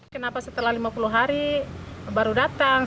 kenapa setelah lima puluh hari baru datang